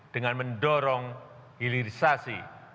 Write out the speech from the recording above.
dengan mendorong hilirisasi